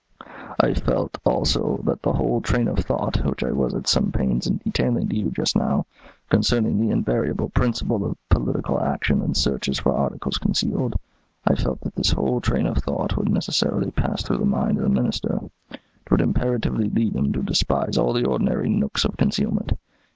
I felt, also, that the whole train of thought, which I was at some pains in detailing to you just now, concerning the invariable principle of policial action in searches for articles concealed, I felt that this whole train of thought would necessarily pass through the mind of the Minister. It would imperatively lead him to despise all the ordinary nooks of concealment.